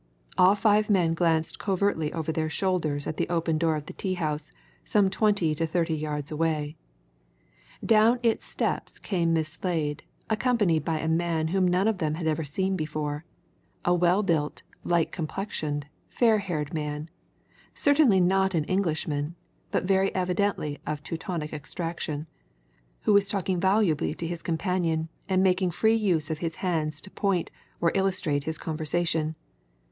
All five men glanced covertly over their shoulders at the open door of the tea house, some twenty to thirty yards away. Down its steps came Miss Slade, accompanied by a man whom none of them had ever seen before a well built, light complexioned, fair haired man, certainly not an Englishman, but very evidently of Teutonic extraction, who was talking volubly to his companion and making free use of his hands to point or illustrate his conversation.